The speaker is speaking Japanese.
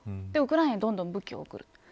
で、ウクライナにどんどん武器を送る。